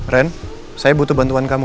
ren saya butuh bantuan kamu